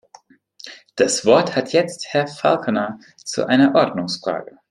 Das Wort hat jetzt Herr Falconer zu einer Ordnungsfrage.